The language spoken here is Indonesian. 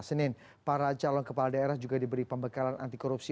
senin para calon kepala daerah juga diberi pembekalan anti korupsi